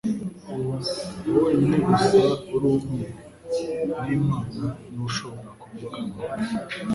Uwo wenyine gusa uri Umwe n'Imana ni we ushobora kuvuga ngo :